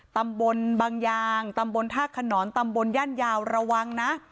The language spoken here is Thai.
ตำบลบางยางตำบลท่าขนอนตำบลย่านยาวระวังนะ